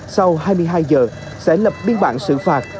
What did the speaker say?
sau hai mươi hai giờ sẽ lập biên bản xử phạt